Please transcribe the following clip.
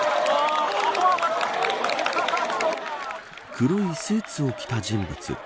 黒いスーツを着た人物。